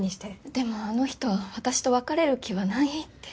でもあの人は私と別れる気はないって。